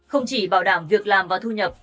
không chỉ bảo đảm việc làm và thu nhập